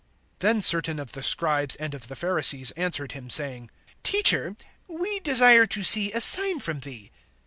(38)Then certain of the scribes and of the Pharisees answered him saying: Teacher, we desire to see a sign from thee.